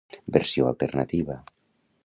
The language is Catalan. versió alternativa